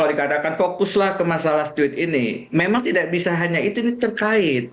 tapi tadi kalau dikatakan fokuslah ke masalah duit ini memang tidak bisa hanya itu ini terkait